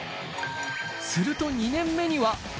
すると２年目には。